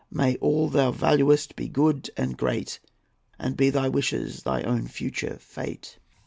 May all thou valuest be good and great, And be thy wishes thy own future fate!"